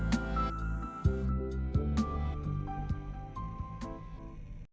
apakah kemampuan pemerintahan ini akan menjadi kemampuan pemerintahan